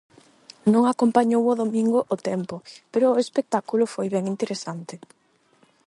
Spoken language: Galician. Non acompañou o domingo o tempo pero o espectáculo foi ben interesante.